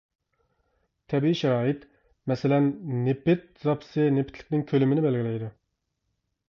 تەبىئىي شارائىت، مەسىلەن نېفىت زاپىسى نېفىتلىكنىڭ كۆلىمىنى بەلگىلەيدۇ.